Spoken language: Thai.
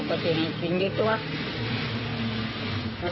แกเธอก็เป็นก้าวแกแล้วมะ